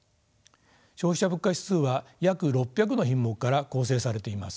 消費者物価指数は約６００の品目から構成されています。